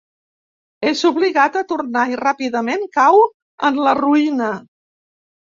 És obligat a tornar i ràpidament cau en la ruïna.